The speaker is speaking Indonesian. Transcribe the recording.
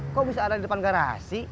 kok bisa ada di depan garasi